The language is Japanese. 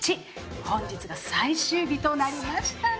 本日が最終日となりましたね。